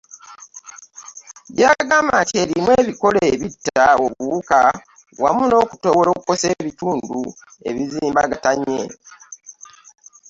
Gy’agamba nti erimu ebikolo ebitta obuwuka wamu n’okutoowolokosa ebitundu ebizimbagatanye.